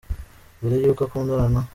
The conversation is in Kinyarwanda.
Mbere y’uko akundana na